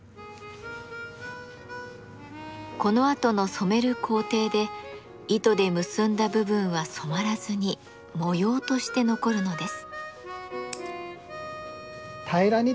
このあとの染める工程で糸で結んだ部分は染まらずに模様として残るのです。